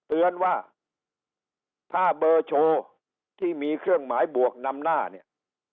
เตือนว่าถ้าเบอร์โชว์ที่มีเครื่องหมายบวกนำหน้าเนี่ย